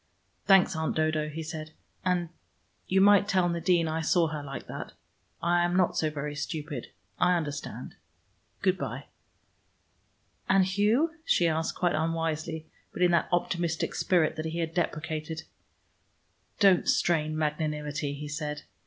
"Thanks, Aunt Dodo," he said. "And and you might tell Nadine I saw her like that. I am not so very stupid. I understand: good by." "And Hugh?" she asked, quite unwisely, but in that optimistic spirit that he had deprecated. "Don't strain magnanimity," he said.